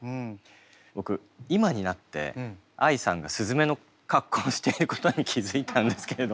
僕今になってあいさんが鈴芽の格好をしていることに気付いたんですけれども。